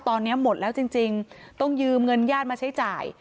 ตอนนี้หมดแล้วจริงต้องยืมเงินญาติมาใช้จ่าย